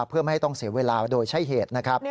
เพื่อไม่ให้ต้องเสียเวลาโดยใช่เหตุนะครับ